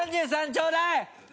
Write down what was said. ちょうだい！